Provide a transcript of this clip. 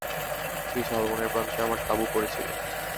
সেই শালবনের প্রান্তে আমার তাঁবু পড়েছিল।